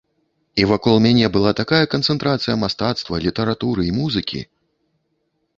І вакол мяне была такая канцэнтрацыя мастацтва, літаратуры і музыкі!